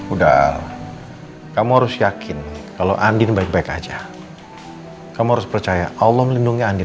udah kamu harus yakin kalau andin baik baik aja kamu harus percaya allah melindungi andi